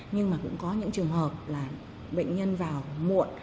nhưng mà cũng có những trường hợp là bệnh nhân vào muộn